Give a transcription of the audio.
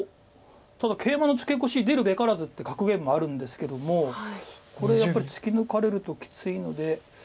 ただ「ケイマのツケコシ出るべからず」って格言もあるんですけどもこれやっぱり突き抜かれるときついので。